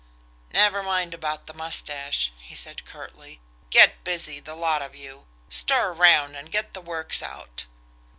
"Never mind about the mustache," he said curtly. "Get busy, the lot of you. Stir around and get the works out!"